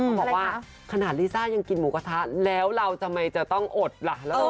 เขาบอกว่าขนาดลิซ่ายังกินหมูกระทะแล้วเราทำไมจะต้องอดล่ะ